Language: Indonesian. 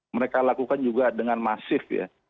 mereka lakukan juga dengan masif ya